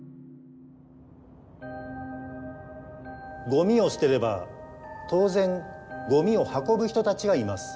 ゴミを捨てれば当然ゴミを運ぶ人たちがいます。